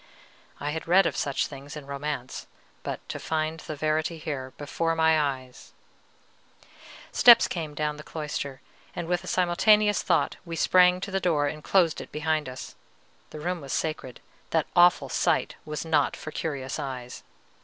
I had read of such things in romance; but to find the verity here, before my eyes Steps came down the cloister, and with a simultaneous thought we sprang to the door and closed it behind us. The room was sacred; that awful sight was not for curious eyes.